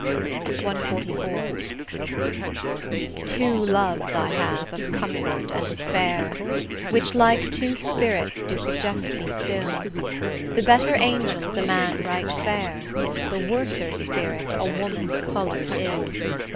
CXLIV Two loves I have of comfort and despair, Which like two spirits do suggest me still: The better angel is a man right fair, The worser spirit a woman colour'd ill.